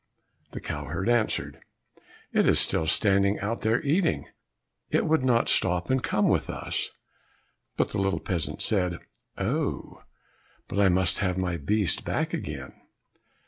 The cow herd answered, "It is still standing out there eating. It would not stop and come with us." But the little peasant said, "Oh, but I must have my beast back again."